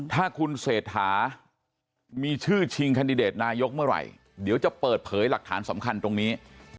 ถ้าคุณเศรษฐามีชื่อชิงแคนดิเดตนายกเมื่อไหร่เดี๋ยวจะเปิดเผยหลักฐานสำคัญตรงนี้